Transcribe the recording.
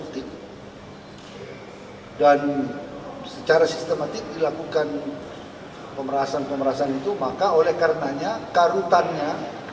dan secara sistematik dilakukan pemerasaan pemerasaan itu maka oleh karena karutannya